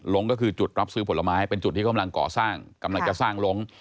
ก็คือจุดรับซื้อผลไม้เป็นจุดที่กำลังก่อสร้างกำลังจะสร้างลง